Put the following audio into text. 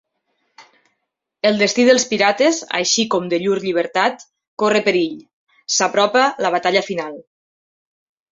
El destí dels pirates així com de llur llibertat, corre perill: s'apropa la batalla final.